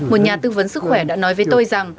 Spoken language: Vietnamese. một nhà tư vấn sức khỏe đã nói với tôi rằng